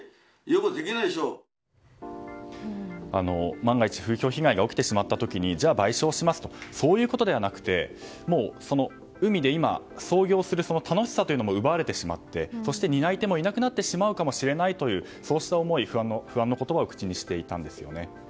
万が一風評被害が起きてしまった場合にじゃあ、賠償しますとそういうことではなくて海で今、操業する楽しさも奪われてしまってそして担い手もいなくなってしまうかもしれないというそうした思い、不安の言葉を口にしていたんですよね。